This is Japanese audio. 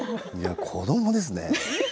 子どもですね。